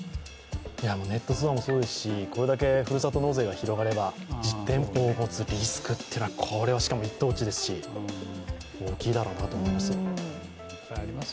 ネット通販もそうですし、これだけふるさと納税が進めば実店舗を持つリスクというのは、これはしかも一等地ですし大きいだろうなと思います。